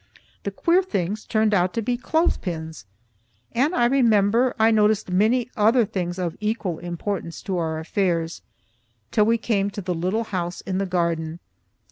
The queer things turned out to be clothes pins). And, I remember, I noticed many other things of equal importance to our affairs, till we came to the little house in the garden.